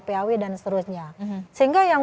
paw dan seterusnya sehingga yang